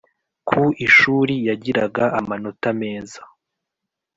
ku ishuri yagiraga amanota meza,